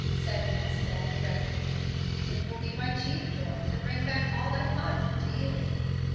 said Hemstead, reddening. "It will be my chief joy to bring back all I find to you."